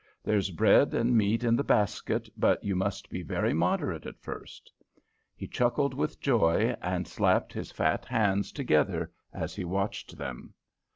There's bread and meat in the basket, but you must be very moderate at first." He chuckled with joy, and slapped his fat hands together as he watched them.